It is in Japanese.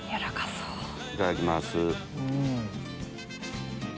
いただきます。